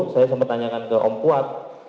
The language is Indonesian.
saya sempat tanyakan ke om kuat